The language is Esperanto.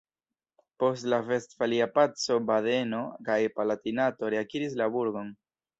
Post la Vestfalia Paco Badeno kaj Palatinato reakiris la burgon.